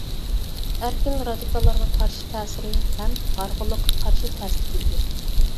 ئەركىن رادىكاللارغا قارشى تەسىرى ھەم ھارغىنلىققا قارشى تەسىرگە ئىگە.